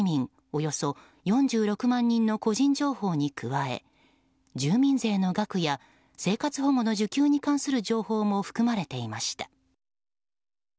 およそ４６万人の個人情報に加え住民税の額や生活保護の受給に関する情報も含まれていました。